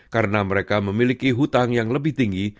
karena mereka memiliki hutang yang lebih tinggi